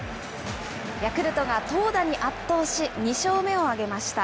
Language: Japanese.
ヤクルトが投打に圧倒し、２勝目を挙げました。